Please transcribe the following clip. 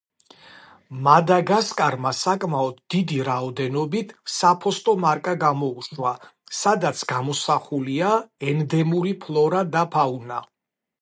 მადაგასკარმა საკმაოდ დიდი რაოდენობით საფოსტო მარკა გამოუშვა, სადაც გამოსახულია ენდემური ფლორა და ფაუნა.